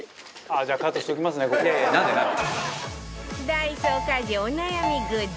ダイソー家事お悩みグッズ